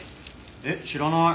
えっ知らない。